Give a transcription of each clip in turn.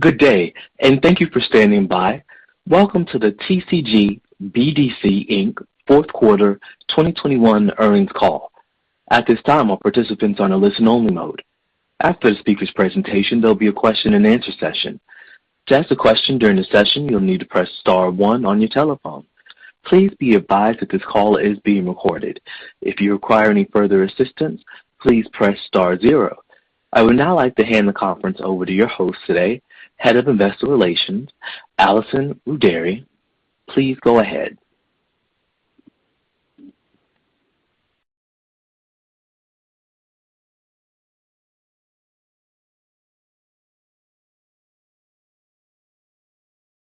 Good day, and thank you for standing by. Welcome to the TCG BDC, Inc Fourth Quarter 2021 Earnings Call. At this time, all participants are on a listen-only mode. After the speaker's presentation, there'll be a question and answer session. To ask a question during the session, you'll need to press star one on your telephone. Please be advised that this call is being recorded. If you require any further assistance, please press star zero. I would now like to hand the conference over to your host today, Head of Investor Relations, Allison Rudary. Please go ahead.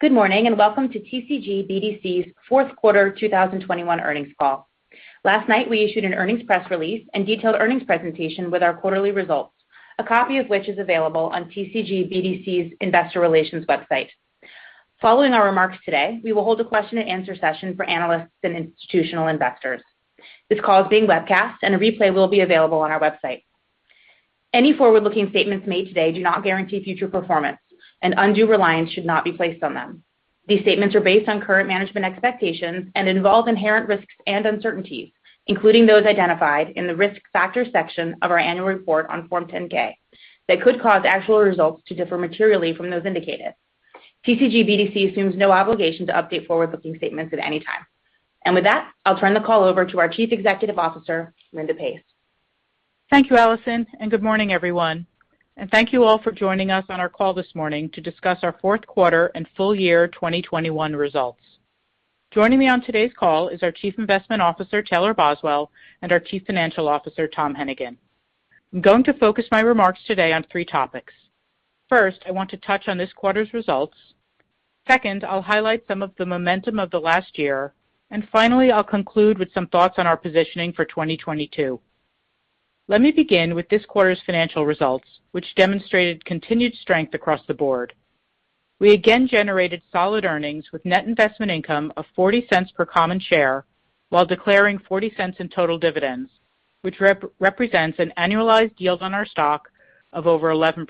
Good morning, and welcome to TCG BDC's Fourth Quarter 2021 Earnings Call. Last night, we issued an earnings press release and detailed earnings presentation with our quarterly results, a copy of which is available on TCG BDC's Investor Relations website. Following our remarks today, we will hold a question and answer session for analysts and institutional investors. This call is being webcast, and a replay will be available on our website. Any forward-looking statements made today do not guarantee future performance and undue reliance should not be placed on them. These statements are based on current management expectations and involve inherent risks and uncertainties, including those identified in the Risk Factors section of our annual report on Form 10-K, that could cause actual results to differ materially from those indicated. TCG BDC assumes no obligation to update forward-looking statements at any time. With that, I'll turn the call over to our Chief Executive Officer, Linda Pace. Thank you, Allison Rudary, and good morning, everyone. Thank you all for joining us on our call this morning to discuss our fourth quarter and full year 2021 results. Joining me on today's call is our Chief Investment Officer, Taylor Boswell, and our Chief Financial Officer, Thomas Hennigan. I'm going to focus my remarks today on three topics. First, I want to touch on this quarter's results. Second, I'll highlight some of the momentum of the last year. Finally, I'll conclude with some thoughts on our positioning for 2022. Let me begin with this quarter's financial results, which demonstrated continued strength across the board. We again generated solid earnings with net investment income of $0.40 per common share while declaring $0.40 in total dividends, which represents an annualized yield on our stock of over 11%.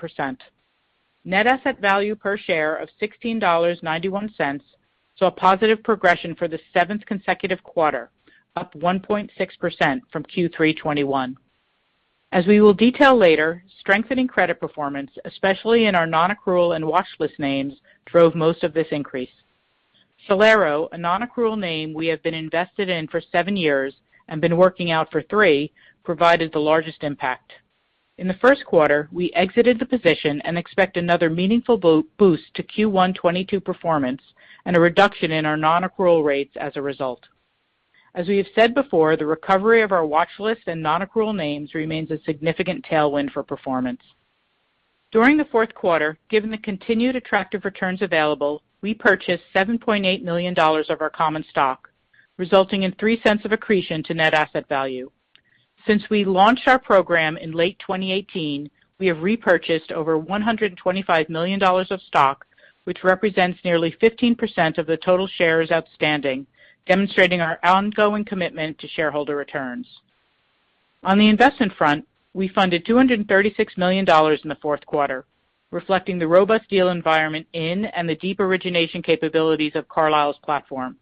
Net asset value per share of $16.91 saw a positive progression for the seventh consecutive quarter, up 1.6% from Q3 2021. As we will detail later, strengthening credit performance, especially in our non-accrual and watchlist names, drove most of this increase. Solera, a non-accrual name we have been invested in for seven years and been working out for three, provided the largest impact. In the first quarter, we exited the position and expect another meaningful boost to Q1 2022 performance and a reduction in our non-accrual rates as a result. As we have said before, the recovery of our watchlist and non-accrual names remains a significant tailwind for performance. During the fourth quarter, given the continued attractive returns available, we purchased $7.8 million of our common stock, resulting in $0.03 of accretion to net asset value. Since we launched our program in late 2018, we have repurchased over $125 million of stock, which represents nearly 15% of the total shares outstanding, demonstrating our ongoing commitment to shareholder returns. On the investment front, we funded $236 million in the fourth quarter, reflecting the robust deal environment in 2021 and the deep origination capabilities of Carlyle's platform.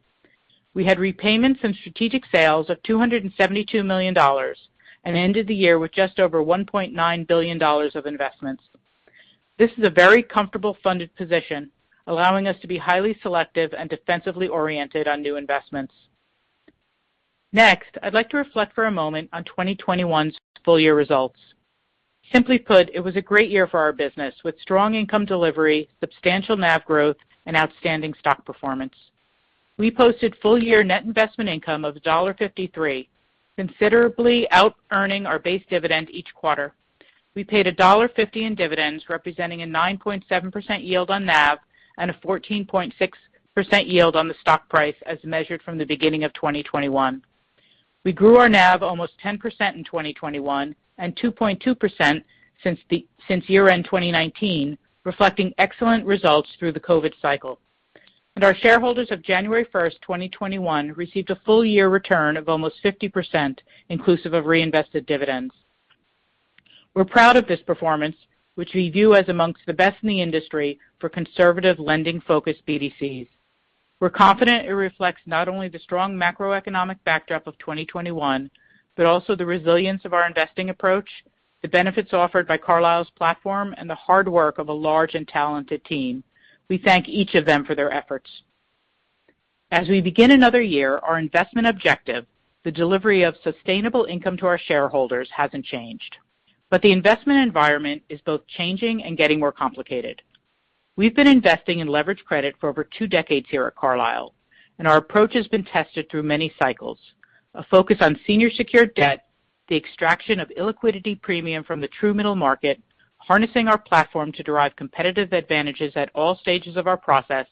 We had repayments and strategic sales of $272 million and ended the year with just over $1.9 billion of investments. This is a very comfortable funded position, allowing us to be highly selective and defensively oriented on new investments. Next, I'd like to reflect for a moment on 2021's full year results. Simply put, it was a great year for our business with strong income delivery, substantial NAV growth, and outstanding stock performance. We posted full year net investment income of $1.53, considerably out-earning our base dividend each quarter. We paid a $1.50 in dividends, representing a 9.7% yield on NAV and a 14.6% yield on the stock price as measured from the beginning of 2021. We grew our NAV almost 10% in 2021 and 2.2% since year-end 2019, reflecting excellent results through the COVID cycle. Our shareholders as of January 1, 2021, received a full year return of almost 50%, inclusive of reinvested dividends. We're proud of this performance, which we view as among the best in the industry for conservative lending-focused BDCs. We're confident it reflects not only the strong macroeconomic backdrop of 2021, but also the resilience of our investing approach, the benefits offered by Carlyle's platform, and the hard work of a large and talented team. We thank each of them for their efforts. As we begin another year, our investment objective, the delivery of sustainable income to our shareholders, hasn't changed, but the investment environment is both changing and getting more complicated. We've been investing in leveraged credit for over two decades here at Carlyle, and our approach has been tested through many cycles, a focus on senior secured debt, the extraction of illiquidity premium from the true middle market, harnessing our platform to derive competitive advantages at all stages of our process,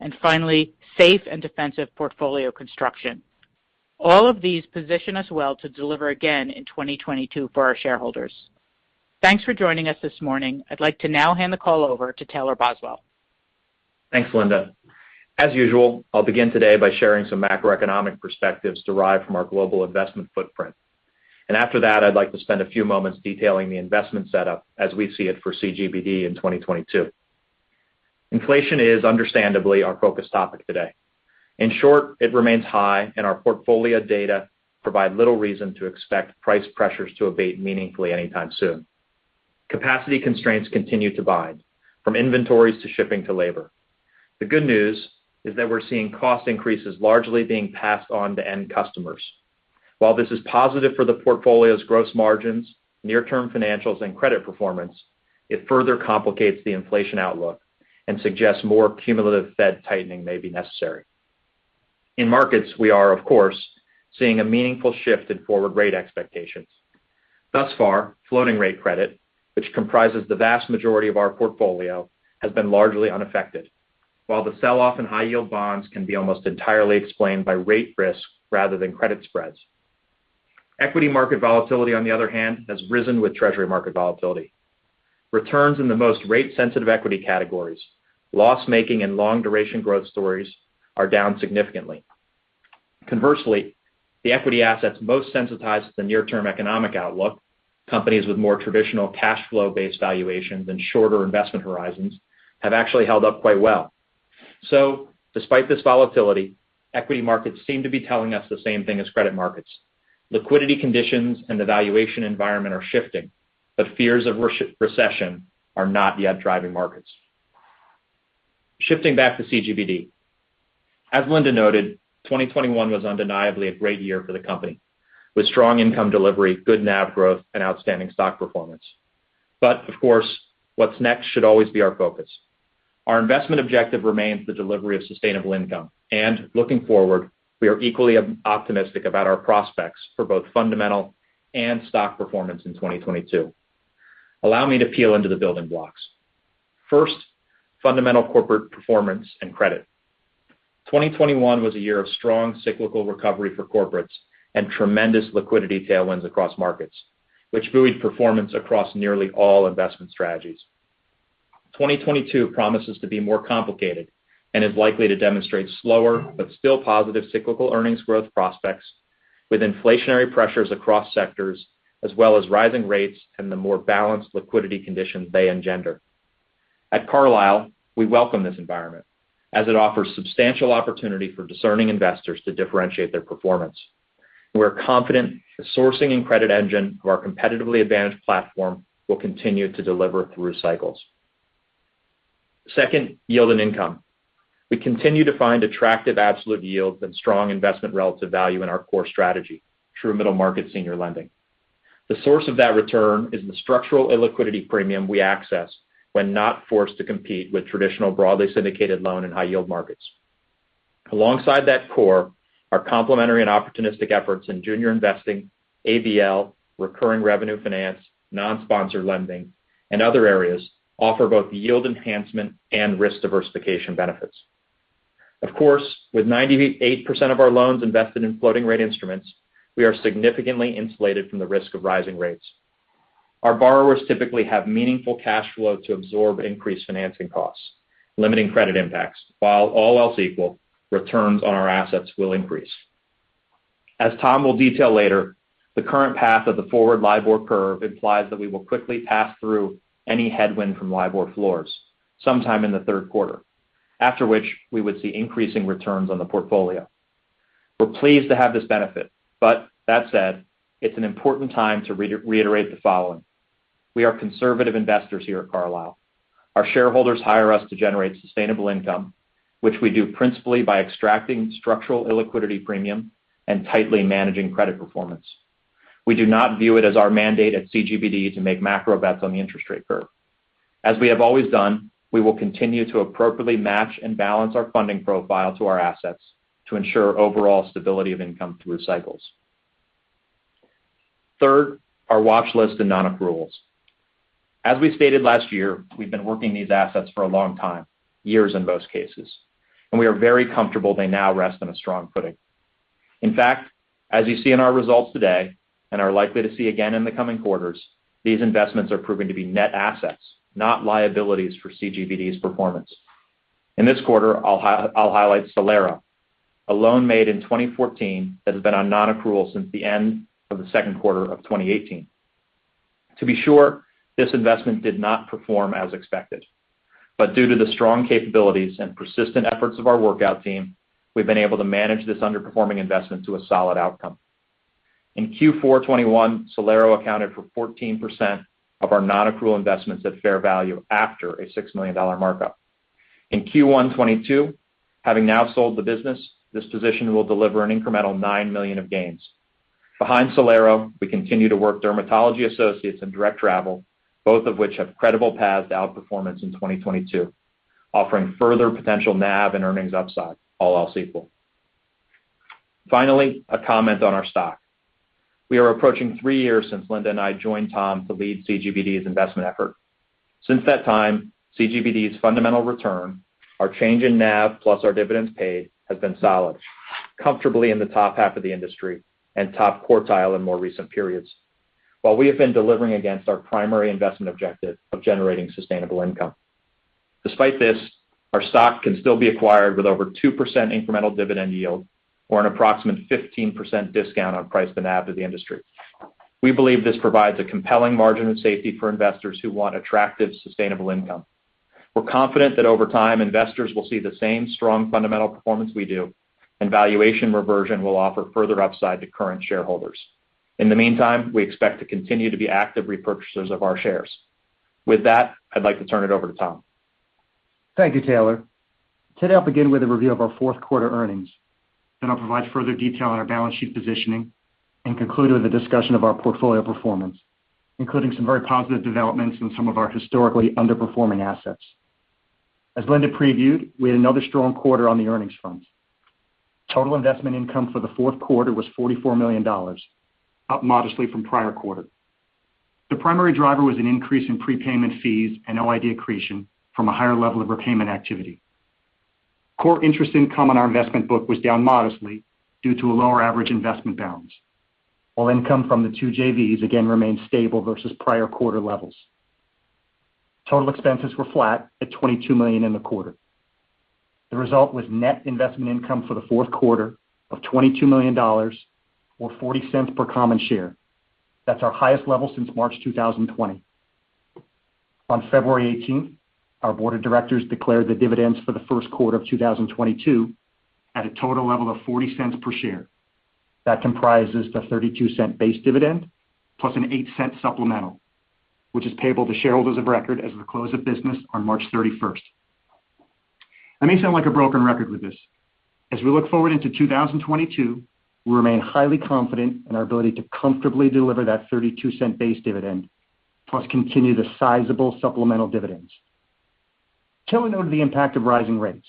and finally, safe and defensive portfolio construction. All of these position us well to deliver again in 2022 for our shareholders. Thanks for joining us this morning. I'd like to now hand the call over to Taylor Boswell. Thanks, Linda. As usual, I'll begin today by sharing some macroeconomic perspectives derived from our global investment footprint. After that, I'd like to spend a few moments detailing the investment setup as we see it for CGBD in 2022. Inflation is understandably our focus topic today. In short, it remains high, and our portfolio data provide little reason to expect price pressures to abate meaningfully anytime soon. Capacity constraints continue to bind from inventories to shipping to labor. The good news is that we're seeing cost increases largely being passed on to end customers. While this is positive for the portfolio's gross margins, near-term financials, and credit performance, it further complicates the inflation outlook and suggests more cumulative Fed tightening may be necessary. In markets, we are, of course, seeing a meaningful shift in forward rate expectations. Thus far, floating rate credit, which comprises the vast majority of our portfolio, has been largely unaffected. The sell-off in high-yield bonds can be almost entirely explained by rate risk rather than credit spreads. Equity market volatility, on the other hand, has risen with Treasury market volatility. Returns in the most rate-sensitive equity categories, loss-making and long-duration growth stories, are down significantly. Conversely, the equity assets most sensitized to the near-term economic outlook, companies with more traditional cash flow-based valuations and shorter investment horizons, have actually held up quite well. Despite this volatility, equity markets seem to be telling us the same thing as credit markets. Liquidity conditions and the valuation environment are shifting, but fears of recession are not yet driving markets. Shifting back to CGBD. As Linda noted, 2021 was undeniably a great year for the company, with strong income delivery, good NAV growth, and outstanding stock performance. Of course, what's next should always be our focus. Our investment objective remains the delivery of sustainable income. Looking forward, we are equally optimistic about our prospects for both fundamental and stock performance in 2022. Allow me to delve into the building blocks. First, fundamental corporate performance and credit. 2021 was a year of strong cyclical recovery for corporates and tremendous liquidity tailwinds across markets, which buoyed performance across nearly all investment strategies. 2022 promises to be more complicated and is likely to demonstrate slower but still positive cyclical earnings growth prospects with inflationary pressures across sectors, as well as rising rates and the more balanced liquidity conditions they engender. At Carlyle, we welcome this environment as it offers substantial opportunity for discerning investors to differentiate their performance. We're confident the sourcing and credit engine of our competitively advantaged platform will continue to deliver through cycles. Second, yield and income. We continue to find attractive absolute yields and strong investment relative value in our core strategy through middle-market senior lending. The source of that return is the structural illiquidity premium we access when not forced to compete with traditional broadly syndicated loan and high yield markets. Alongside that core, our complementary and opportunistic efforts in junior investing, ABL, recurring revenue finance, non-sponsor lending, and other areas offer both yield enhancement and risk diversification benefits. Of course, with 98% of our loans invested in floating-rate instruments, we are significantly insulated from the risk of rising rates. Our borrowers typically have meaningful cash flow to absorb increased financing costs, limiting credit impacts, while all else equal, returns on our assets will increase. As Tom will detail later, the current path of the forward LIBOR curve implies that we will quickly pass through any headwind from LIBOR floors sometime in the third quarter, after which we would see increasing returns on the portfolio. We're pleased to have this benefit, but that said, it's an important time to re-reiterate the following. We are conservative investors here at Carlyle. Our shareholders hire us to generate sustainable income, which we do principally by extracting structural illiquidity premium and tightly managing credit performance. We do not view it as our mandate at CGBD to make macro bets on the interest rate curve. As we have always done, we will continue to appropriately match and balance our funding profile to our assets to ensure overall stability of income through cycles. Third, our watch list and non-accruals. As we stated last year, we've been working these assets for a long time, years in most cases, and we are very comfortable they now rest on a strong footing. In fact, as you see in our results today and are likely to see again in the coming quarters, these investments are proving to be net assets, not liabilities for CGBD's performance. In this quarter, I'll highlight Solera, a loan made in 2014 that has been on non-accrual since the end of the second quarter of 2018. To be sure, this investment did not perform as expected. Due to the strong capabilities and persistent efforts of our workout team, we've been able to manage this underperforming investment to a solid outcome. In Q4 2021, Solera accounted for 14% of our non-accrual investments at fair value after a $6 million markup. In Q1 2022, having now sold the business, this position will deliver an incremental $9 million of gains. Behind Solera, we continue to work Dermatology Associates and Direct Travel, both of which have credible paths to outperformance in 2022, offering further potential NAV and earnings upside, all else equal. Finally, a comment on our stock. We are approaching three years since Linda and I joined Tom to lead CGBD's investment effort. Since that time, CGBD's fundamental return, our change in NAV plus our dividends paid, has been solid, comfortably in the top half of the industry and top quartile in more recent periods, while we have been delivering against our primary investment objective of generating sustainable income. Despite this, our stock can still be acquired with over 2% incremental dividend yield or an approximate 15% discount on price to NAV of the industry. We believe this provides a compelling margin of safety for investors who want attractive, sustainable income. We're confident that over time, investors will see the same strong fundamental performance we do, and valuation reversion will offer further upside to current shareholders. In the meantime, we expect to continue to be active repurchasers of our shares. With that, I'd like to turn it over to Tom. Thank you, Taylor. Today, I'll begin with a review of our fourth quarter earnings, then I'll provide further detail on our balance sheet positioning and conclude with a discussion of our portfolio performance, including some very positive developments in some of our historically underperforming assets. As Linda previewed, we had another strong quarter on the earnings front. Total investment income for the fourth quarter was $44 million, up modestly from prior quarter. The primary driver was an increase in prepayment fees and OID accretion from a higher level of repayment activity. Core interest income on our investment book was down modestly due to a lower average investment balance, while income from the two JVs again remained stable versus prior quarter levels. Total expenses were flat at $22 million in the quarter. The result was net investment income for the fourth quarter of $22 million or $0.40 per common share. That's our highest level since March 2020. On February 18, our board of directors declared the dividends for the first quarter of 2022 at a total level of $0.40 per share. That comprises the 32-cent base dividend plus an 8-cent supplemental, which is payable to shareholders of record as of the close of business on March 31. I may sound like a broken record with this. As we look forward into 2022, we remain highly confident in our ability to comfortably deliver that 32-cent base dividend plus continue the sizable supplemental dividends. We'll note the impact of rising rates.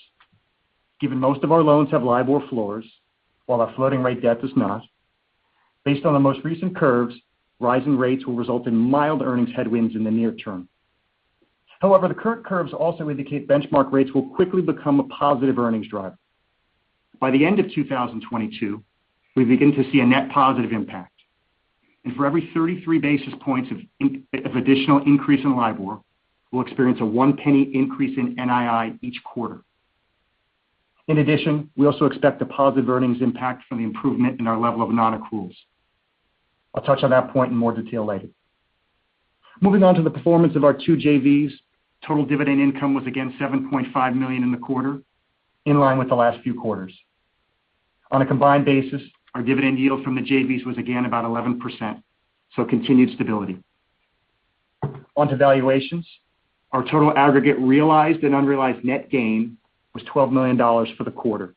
Given most of our loans have LIBOR floors, while our floating rate debt does not, based on the most recent curves, rising rates will result in mild earnings headwinds in the near term. However, the current curves also indicate benchmark rates will quickly become a positive earnings driver. By the end of 2022, we begin to see a net positive impact. For every 33 basis points of additional increase in LIBOR, we'll experience a $0.01 increase in NII each quarter. In addition, we also expect a positive earnings impact from the improvement in our level of non-accruals. I'll touch on that point in more detail later. Moving on to the performance of our two JVs, total dividend income was again $7.5 million in the quarter, in line with the last few quarters. On a combined basis, our dividend yield from the JVs was again about 11%, so continued stability. On to valuations. Our total aggregate realized and unrealized net gain was $12 million for the quarter.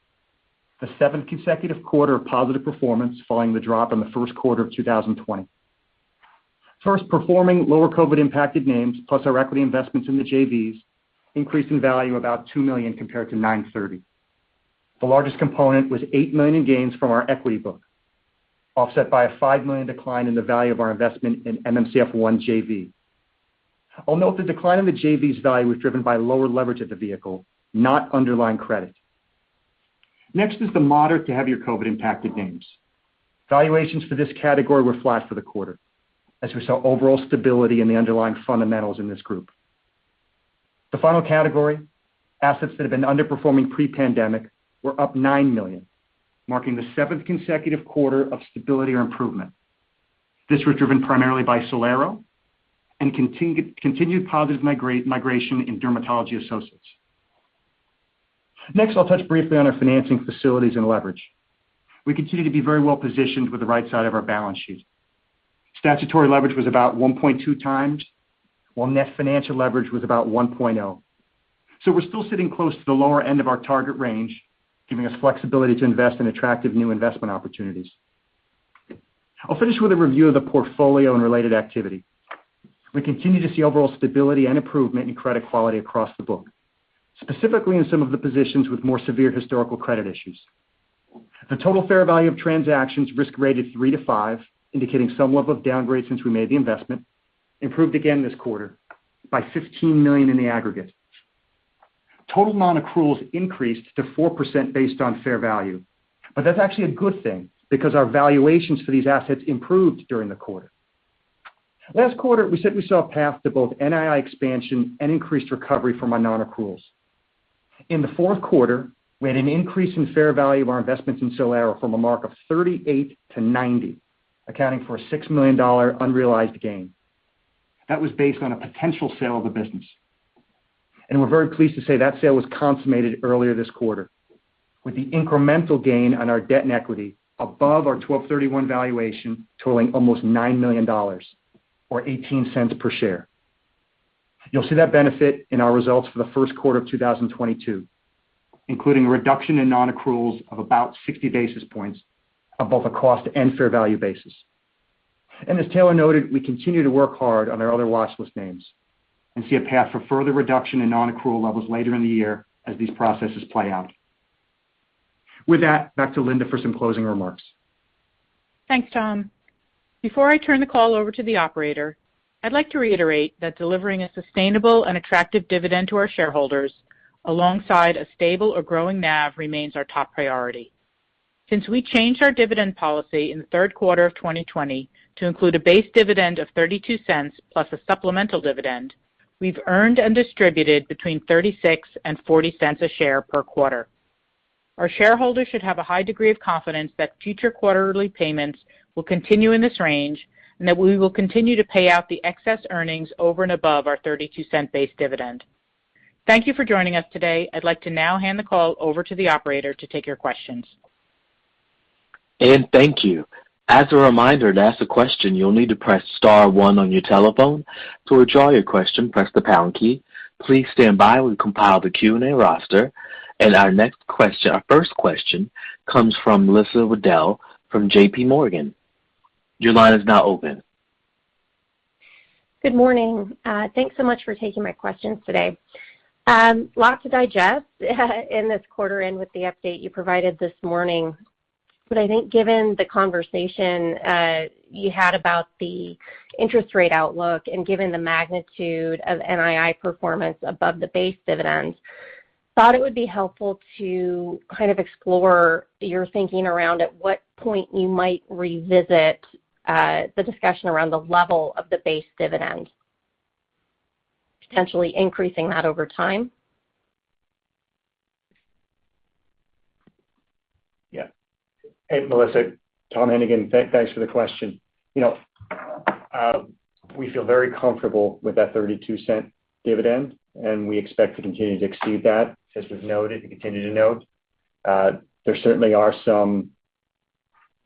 The seventh consecutive quarter of positive performance following the drop in the first quarter of 2020. First performing lower COVID-impacted names, plus our equity investments in the JVs increased in value about $2 million compared to 9/30. The largest component was $8 million gains from our equity book, offset by a $5 million decline in the value of our investment in MMCF I JV. I'll note the decline in the JVs value was driven by lower leverage of the vehicle, not underlying credit. Next is the moderate to heavier COVID-impacted names. Valuations for this category were flat for the quarter, as we saw overall stability in the underlying fundamentals in this group. The final category, assets that have been underperforming pre-pandemic, were up $9 million, marking the seventh consecutive quarter of stability or improvement. This was driven primarily by Solera and continued positive migration in Dermatology Associates. Next, I'll touch briefly on our financing facilities and leverage. We continue to be very well-positioned with the right side of our balance sheet. Statutory leverage was about 1.2x, while net financial leverage was about 1.0. We're still sitting close to the lower end of our target range, giving us flexibility to invest in attractive new investment opportunities. I'll finish with a review of the portfolio and related activity. We continue to see overall stability and improvement in credit quality across the book, specifically in some of the positions with more severe historical credit issues. The total fair value of transactions risk-rated 3-5, indicating some level of downgrade since we made the investment, improved again this quarter by $15 million in the aggregate. Total non-accruals increased to 4% based on fair value. That's actually a good thing because our valuations for these assets improved during the quarter. Last quarter, we said we saw a path to both NII expansion and increased recovery from our non-accruals. In the fourth quarter, we had an increase in fair value of our investments in Solera from a mark of 38-90, accounting for a $6 million unrealized gain. That was based on a potential sale of the business. We're very pleased to say that sale was consummated earlier this quarter, with the incremental gain on our debt and equity above our 12/31 valuation totaling almost $9 million or 18 cents per share. You'll see that benefit in our results for the first quarter of 2022, including a reduction in non-accruals of about 60 basis points on both a cost and fair value basis. As Taylor noted, we continue to work hard on our other watch list names and see a path for further reduction in non-accrual levels later in the year as these processes play out. With that, back to Linda for some closing remarks. Thanks, Tom. Before I turn the call over to the operator, I'd like to reiterate that delivering a sustainable and attractive dividend to our shareholders alongside a stable or growing NAV remains our top priority. Since we changed our dividend policy in the third quarter of 2020 to include a base dividend of $0.32 plus a supplemental dividend, we've earned and distributed between $0.36 and $0.40 a share per quarter. Our shareholders should have a high degree of confidence that future quarterly payments will continue in this range and that we will continue to pay out the excess earnings over and above our $0.32 base dividend. Thank you for joining us today. I'd like to now hand the call over to the operator to take your questions. Thank you. As a reminder, to ask a question, you'll need to press star one on your telephone. To withdraw your question, press the pound key. Please stand by. We compile the Q&A roster. Our first question comes from Melissa Wedel from JPMorgan. Your line is now open. Good morning. Thanks so much for taking my questions today. Lot to digest in this quarter end with the update you provided this morning. I think given the conversation you had about the interest rate outlook and given the magnitude of NII performance above the base dividends, thought it would be helpful to kind of explore your thinking around at what point you might revisit the discussion around the level of the base dividend, potentially increasing that over time. Yeah. Hey, Melissa. Thomas Hennigan. Thanks for the question. You know, we feel very comfortable with that $0.32 dividend, and we expect to continue to exceed that. As we've noted and continue to note, there certainly are some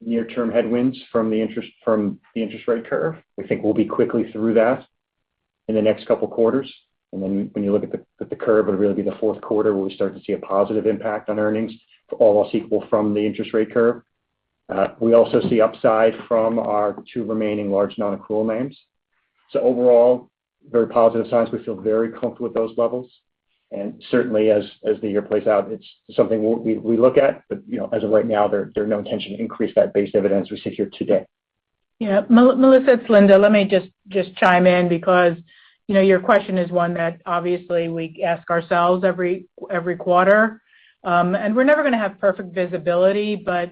near-term headwinds from the interest rate curve. We think we'll be quickly through that in the next couple quarters. Then when you look at the curve, it'll really be the fourth quarter where we start to see a positive impact on earnings, all else equal from the interest rate curve. We also see upside from our two remaining large non-accrual names. Overall, very positive signs. We feel very comfortable with those levels. Certainly as the year plays out, it's something we look at. You know, as of right now, there is no intention to increase that base dividend as we sit here today. Yeah. Melissa, it's Linda. Let me just chime in because, you know, your question is one that obviously we ask ourselves every quarter. We're never gonna have perfect visibility, but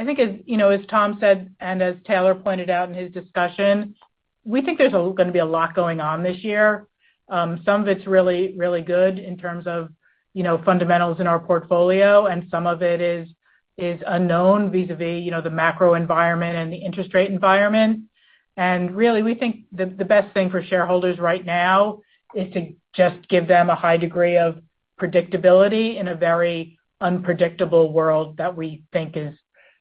I think as, you know, as Tom said, and as Taylor pointed out in his discussion, we think there's gonna be a lot going on this year. Some of it's really good in terms of, you know, fundamentals in our portfolio, and some of it is unknown vis-a-vis, you know, the macro environment and the interest rate environment. Really, we think the best thing for shareholders right now is to just give them a high degree of predictability in a very unpredictable world that we think is,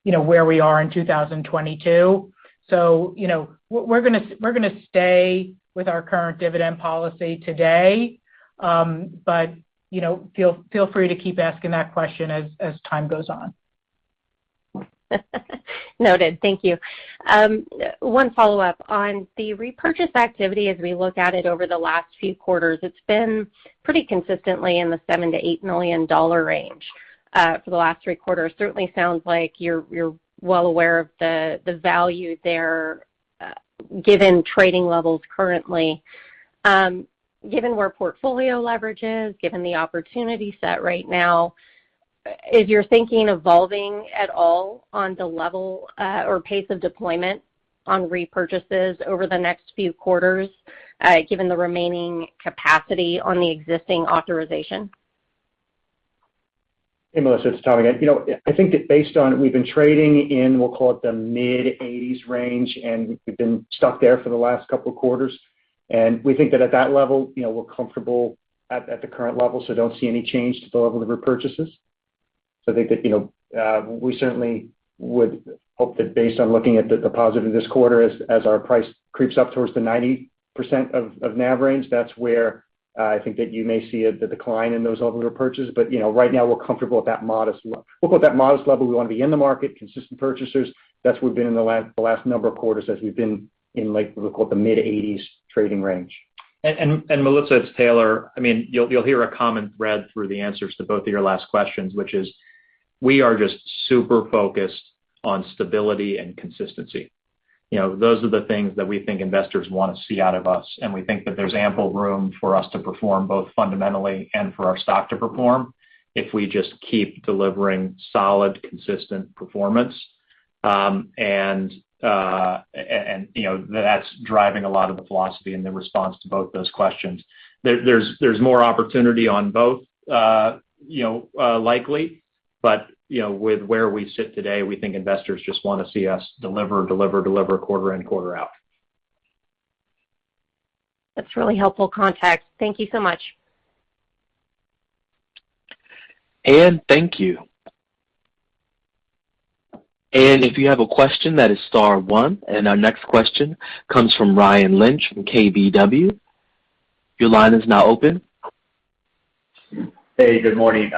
you know, where we are in 2022. You know, we're gonna stay with our current dividend policy today. You know, feel free to keep asking that question as time goes on. Noted. Thank you. One follow-up. On the repurchase activity as we look at it over the last few quarters, it's been pretty consistently in the $7 million-$8 million range for the last three quarters. Certainly sounds like you're well aware of the value there, given trading levels currently. Given where portfolio leverage is, given the opportunity set right now, is your thinking evolving at all on the level or pace of deployment on repurchases over the next few quarters, given the remaining capacity on the existing authorization? Hey, Melissa, it's Tom again. You know, I think that based on we've been trading in, we'll call it the mid-80s range, and we've been stuck there for the last couple of quarters. We think that at that level, you know, we're comfortable at the current level, so don't see any change to the level of repurchases. I think that, you know, we certainly would hope that based on looking at the discount of this quarter as our price creeps up towards the 90% of NAV range, that's where I think that you may see the decline in those overall repurchases. You know, right now we're comfortable at that modest level. We'll call it that modest level. We want to be in the market, consistent purchasers. That's where we've been in the last number of quarters as we've been in like, we'll call it the mid-80s trading range. Melissa, it's Taylor. I mean, you'll hear a common thread through the answers to both of your last questions, which is we are just super focused on stability and consistency. You know, those are the things that we think investors want to see out of us, and we think that there's ample room for us to perform both fundamentally and for our stock to perform if we just keep delivering solid, consistent performance. You know, that's driving a lot of the philosophy and the response to both those questions. There's more opportunity on both, you know, likely. You know, with where we sit today, we think investors just wanna see us deliver quarter in, quarter out. That's really helpful context. Thank you so much. And thank you. If you have a question, that is star one. Our next question comes from Ryan Lynch from KBW. Your line is now open. Hey, good morning.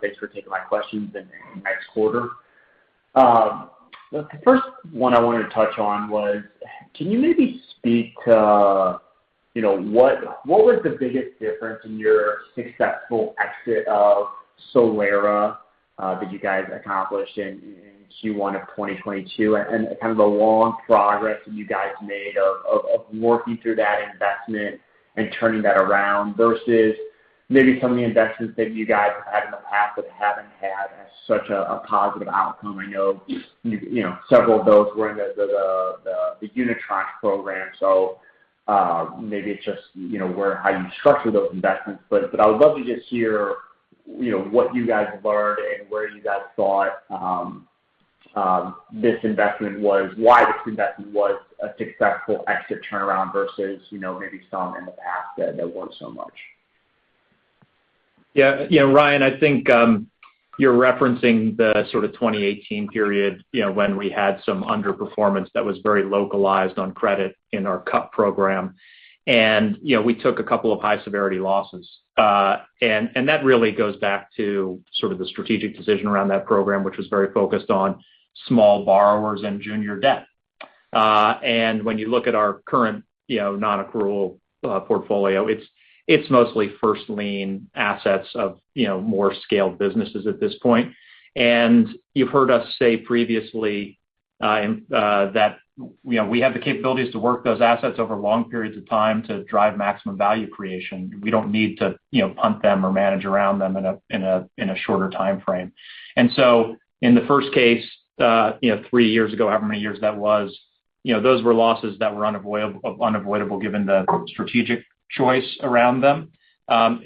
Thanks for taking my questions in next quarter. The first one I wanted to touch on was can you maybe speak to, you know, what was the biggest difference in your successful exit of Solera that you guys accomplished in Q1 of 2022 and kind of the long progress that you guys made of working through that investment and turning that around versus maybe some of the investments that you guys have had in the past that haven't had such a positive outcome. I know, you know, several of those were in the Unitranche program. Maybe it's just, you know, how you structure those investments. I would love to just hear, you know, what you guys learned and where you guys thought why this investment was a successful exit turnaround versus, you know, maybe some in the past that weren't so much. Yeah. You know, Ryan, I think you're referencing the sort of 2018 period, you know, when we had some underperformance that was very localized on credit in our CUP program. You know, we took a couple of high-severity losses. That really goes back to sort of the strategic decision around that program, which was very focused on small borrowers and junior debt. When you look at our current, you know, nonaccrual portfolio, it's mostly first lien assets of, you know, more scaled businesses at this point. You've heard us say previously that, you know, we have the capabilities to work those assets over long periods of time to drive maximum value creation. We don't need to, you know, punt them or manage around them in a shorter timeframe. In the first case, you know, three years ago, however many years that was, you know, those were losses that were unavoidable given the strategic choice around them.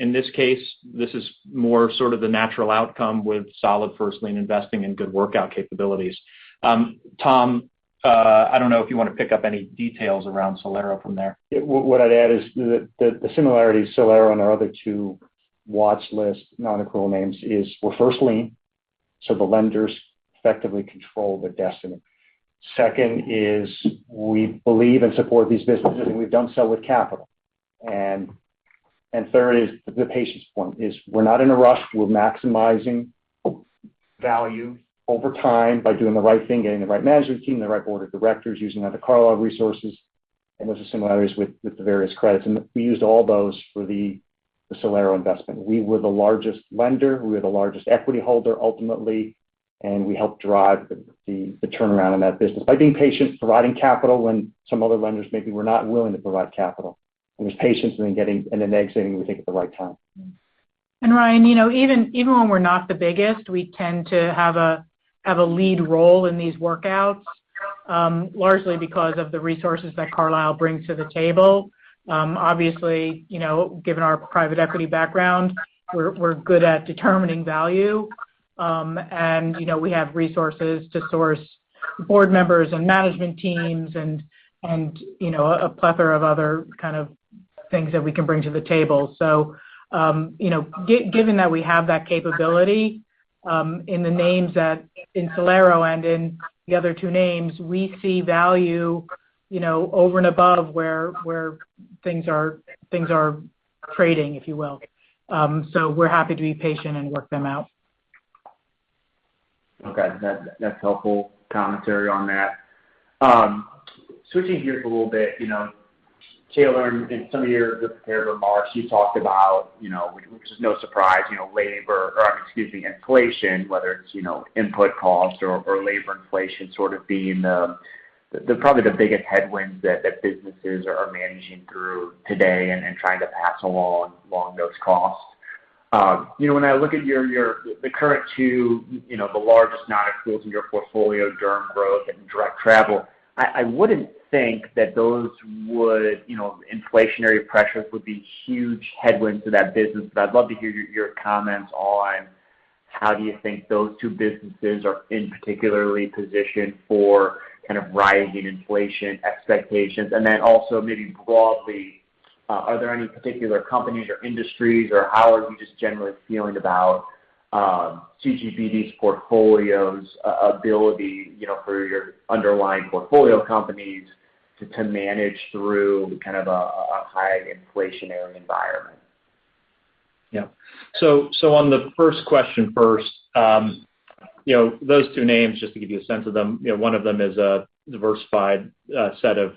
In this case, this is more sort of the natural outcome with solid first lien investing and good workout capabilities. Tom, I don't know if you wanna pick up any details around Solera from there. Yeah. What I'd add is the similarity of Solera and our other two watch list nonaccrual names is we're first lien, so the lenders effectively control the destiny. Second is we believe and support these businesses, and we've done so with capital. Third is the patience point, is we're not in a rush. We're maximizing value over time by doing the right thing, getting the right management team, the right board of directors, using other Carlyle resources, and those are similarities with the various credits. We used all those for the Solera investment. We were the largest lender, we were the largest equity holder ultimately, and we helped drive the turnaround in that business by being patient, providing capital when some other lenders maybe were not willing to provide capital. There's patience in getting and then exiting, we think, at the right time. Ryan, you know, even when we're not the biggest, we tend to have a lead role in these workouts, largely because of the resources that Carlyle brings to the table. Obviously, you know, given our private equity background, we're good at determining value. And, you know, we have resources to source board members and management teams and, you know, a plethora of other kind of things that we can bring to the table. So, you know, given that we have that capability, in the names that in Solera and in the other two names, we see value, you know, over and above where things are trading, if you will. So we're happy to be patient and work them out. Okay. That's helpful commentary on that. Switching gears a little bit, you know, Taylor, in some of your prepared remarks, you talked about, you know, which is no surprise, you know, inflation, whether it's, you know, input cost or labor inflation sort of being the probably biggest headwinds that businesses are managing through today and trying to pass along those costs. You know, when I look at your current two, you know, the largest nonaccruals in your portfolio, Dermatology Associates and Direct Travel, I wouldn't think that those would, you know, inflationary pressures would be huge headwinds to that business. But I'd love to hear your comments on how do you think those two businesses are particularly positioned for kind of rising inflation expectations. also maybe broadly, are there any particular companies or industries, or how are you just generally feeling about CGBD's portfolio's ability, you know, for your underlying portfolio companies to manage through kind of a high inflationary environment? On the first question first, you know, those two names, just to give you a sense of them, you know, one of them is a diversified set of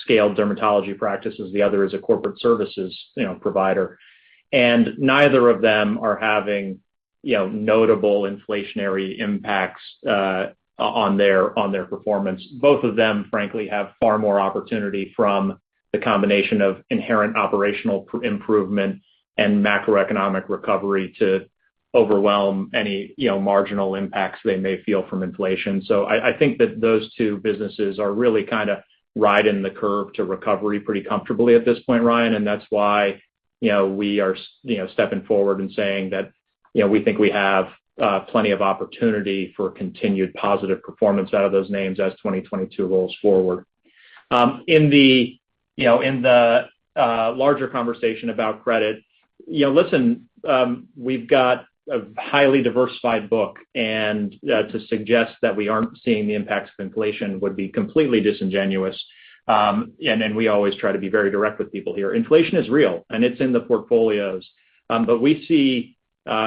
scaled dermatology practices, the other is a corporate services provider. Neither of them are having, you know, notable inflationary impacts on their performance. Both of them, frankly, have far more opportunity from the combination of inherent operational improvement and macroeconomic recovery to overwhelm any, you know, marginal impacts they may feel from inflation. I think that those two businesses are really kind of riding the curve to recovery pretty comfortably at this point, Ryan, and that's why, you know, we are stepping forward and saying that, you know, we think we have plenty of opportunity for continued positive performance out of those names as 2022 rolls forward. In the larger conversation about credit, you know, listen, we've got a highly diversified book, and to suggest that we aren't seeing the impacts of inflation would be completely disingenuous. We always try to be very direct with people here. Inflation is real, and it's in the portfolios.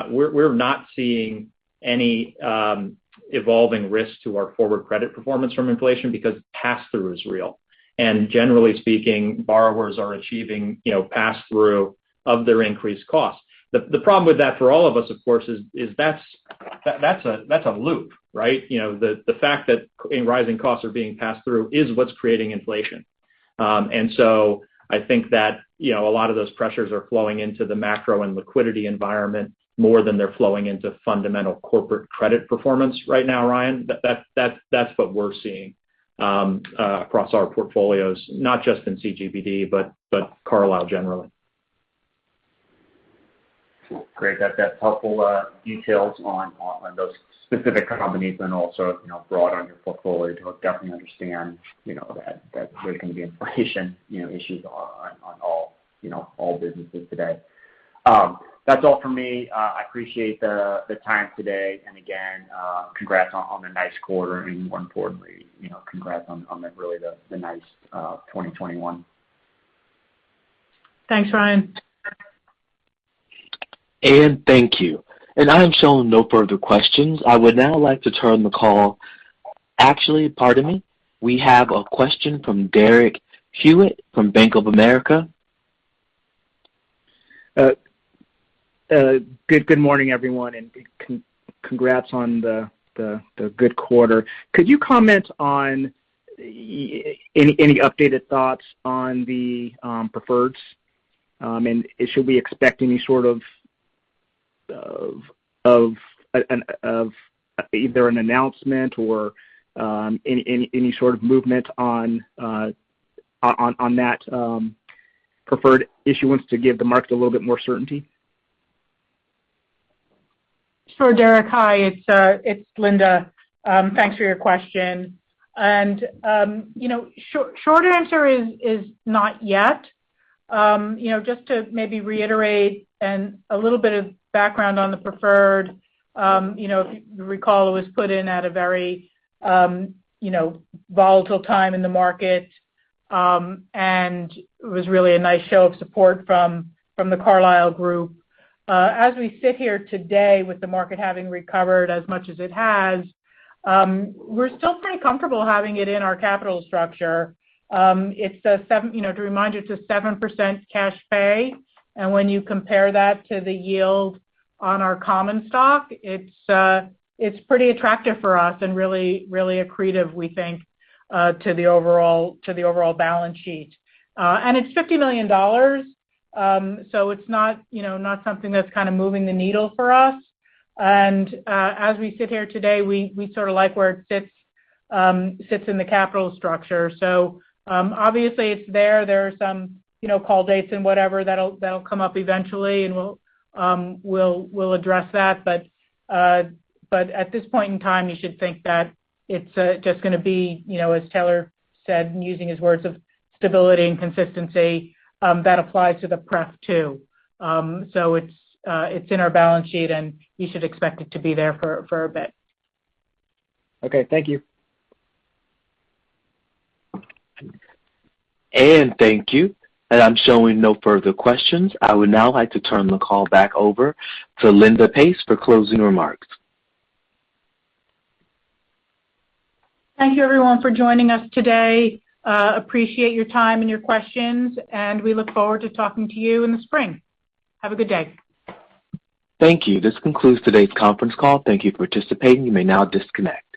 We're not seeing any evolving risk to our forward credit performance from inflation because pass-through is real. Generally speaking, borrowers are achieving, you know, pass-through of their increased costs. The problem with that for all of us, of course, is that that's a loop, right? You know, the fact that, I mean, rising costs are being passed through is what's creating inflation. I think that, you know, a lot of those pressures are flowing into the macro and liquidity environment more than they're flowing into fundamental corporate credit performance right now, Ryan. That's what we're seeing across our portfolios, not just in CGBD, but Carlyle generally. Cool. Great. That's helpful details on those specific companies and also, you know, broadly on your portfolio to definitely understand, you know, that there can be inflation, you know, issues on all businesses today. That's all for me. I appreciate the time today. Again, congrats on the nice quarter, and more importantly, you know, congrats on really the nice 2021. Thanks, Ryan. Thank you. I am showing no further questions. I would now like to turn the call. Actually, pardon me. We have a question from Derek Hewett from Bank of America. Good morning, everyone, and congrats on the good quarter. Could you comment on any updated thoughts on the preferreds? Should we expect any sort of either an announcement or any sort of movement on that preferred issuance to give the market a little bit more certainty? Sure, Derek. Hi. It's Linda. Thanks for your question. You know, short answer is not yet. You know, just to maybe reiterate and a little bit of background on the preferred, you know, if you recall, it was put in at a very, you know, volatile time in the market, and it was really a nice show of support from the Carlyle Group. As we sit here today with the market having recovered as much as it has, we're still pretty comfortable having it in our capital structure. You know, to remind you, it's a 7% cash pay. When you compare that to the yield on our common stock, it's pretty attractive for us and really, really accretive, we think, to the overall balance sheet. It's $50 million, so it's not, you know, not something that's kind of moving the needle for us. As we sit here today, we sort of like where it sits in the capital structure. Obviously it's there. There are some, you know, call dates and whatever that'll come up eventually, and we'll address that. At this point in time, you should think that it's just gonna be, you know, as Taylor said, and using his words of stability and consistency, that applies to the pref too. It's in our balance sheet, and you should expect it to be there for a bit. Okay. Thank you. Thank you. I'm showing no further questions. I would now like to turn the call back over to Linda Pace for closing remarks. Thank you everyone for joining us today. Appreciate your time and your questions, and we look forward to talking to you in the spring. Have a good day. Thank you. This concludes today's conference call. Thank you for participating. You may now disconnect.